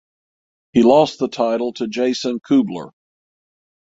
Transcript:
He lost the title to Jason Kubler.